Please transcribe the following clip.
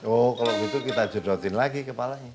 oh kalau gitu kita jodotin lagi kepalanya